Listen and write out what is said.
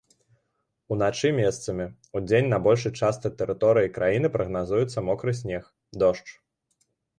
Уначы месцамі, удзень на большай частцы тэрыторыі краіны прагназуецца мокры снег, дождж.